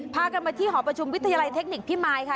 พากันมาที่หอประชุมวิทยาลัยเทคนิคพิมายค่ะ